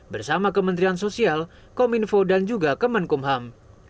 bersama kementerian sosial kominfo dan juga kemenkumham